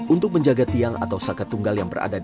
untuk menjaga tiang atau sakat tunggal yang berada di